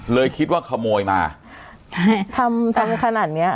เลยคิดว่าขโมยมาทำทำขนาดเนี้ย